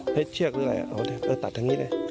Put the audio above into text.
ให้เชือกด้วยเอาได้ตัดทันนี้ได้